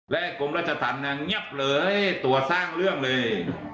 และกรมราชธรรมนางเงียบเลยตัวสร้างเรื่องเลย